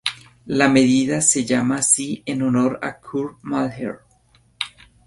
La medida se llama así en honor a Kurt Mahler.